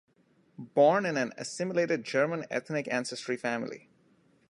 Born in an assimilated German ethnic ancestry family.